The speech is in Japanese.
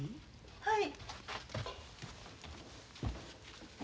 はい。